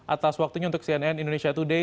atas waktunya untuk cnn indonesia today